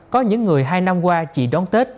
có những người hai năm qua chỉ đón tết